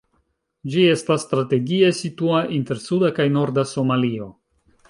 Ĝi estas strategie situa inter suda kaj norda Somalio.